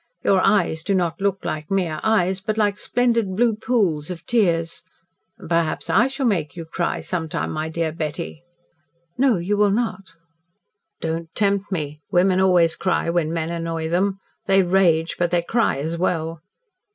Your eyes do not look like mere eyes, but like splendid blue pools of tears. Perhaps I shall make you cry sometime, my dear Betty." "No, you will not." "Don't tempt me. Women always cry when men annoy them. They rage, but they cry as well."